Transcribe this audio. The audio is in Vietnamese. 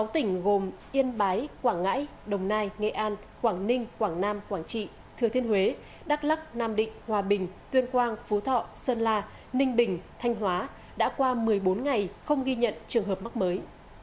sáu tỉnh gồm yên bái quảng ngãi đồng nai nghệ an quảng ninh quảng nam quảng trị thừa thiên huế đắk lắc nam định hòa bình tuyên quang phú thọ sơn la ninh bình thanh hóa đã qua một mươi bốn ngày không ghi nhận trường hợp mắc mới